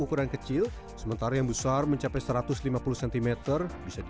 harga beduk bervariasi sesuai dengan kualitas